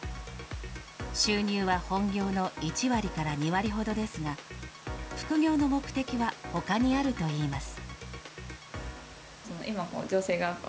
収入は本業の１割から２割ほどですが、副業の目的はほかにあるといいます。